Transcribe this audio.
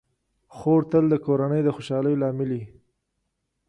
خور تل د کورنۍ د خوشحالۍ لامل وي.